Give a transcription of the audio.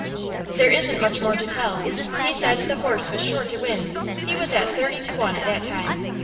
"There isn't much more to tell. He said the horse was sure to win. He was at thirty to one at that time.